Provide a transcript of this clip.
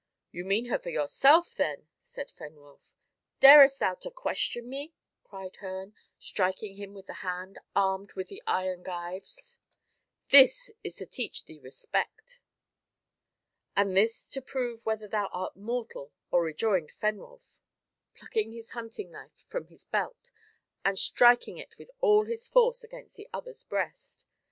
"You mean her for yourself, then?" said Fenwolf. "Darest thou to question me?" cried Herne, striking him with the hand armed with the iron gyves. "This to teach thee respect." And this to prove whether thou art mortal or rejoined Fenwolf, plucking his hunting knife from his belt, and striking it with all his force against the other's breast.